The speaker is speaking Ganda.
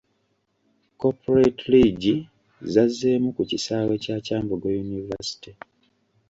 Corporate League zazzeemu ku kisaawe kya Kyambogo University.